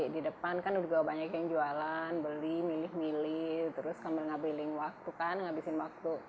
di depan kan udah banyak yang jualan beli milih milih terus sambil ngabiling waktu kan ngabisin waktu